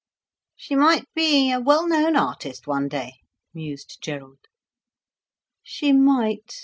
"She might be a well known artist one day?" mused Gerald. "She might.